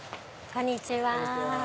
こんにちは。